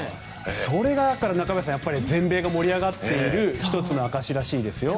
それが全米が盛り上がっている１つの証しらしいですよ。